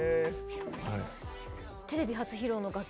テレビ初披露の楽曲